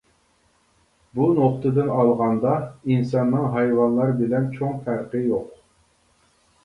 بۇ نۇقتىدىن ئالغاندا ئىنساننىڭ ھايۋانلار بىلەن چوڭ پەرقى يوق.